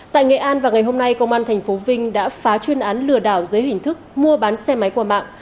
tại nghệ an và ngày hôm nay công an thành phố vinh đã phá chuyên án lừa đảo giới hình thức mua bán xe máy qua mạng